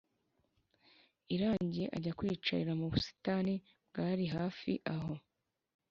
irangiye ajya kwiyicarira mubustani bwari hafi aho